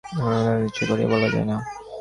এগুলির রচনাকাল নিশ্চয় করিয়া বলা যায় না।